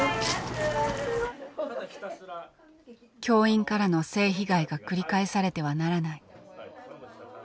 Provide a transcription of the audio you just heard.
教員からの性被害が繰り返されてはならない。